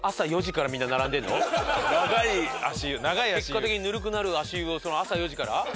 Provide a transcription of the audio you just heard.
結果的にぬるくなる足湯を朝４時から？